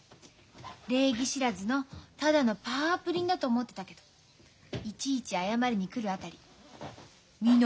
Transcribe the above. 礼儀知らずのただのパアプリンだと思ってたけどいちいち謝りに来る辺り見直したよ。